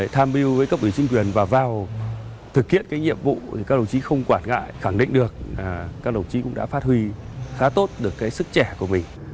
tham biêu với cấp ứng chính quyền và vào thực hiện nhiệm vụ các đồng chí không quản ngại khẳng định được các đồng chí cũng đã phát huy khá tốt được sức trẻ của mình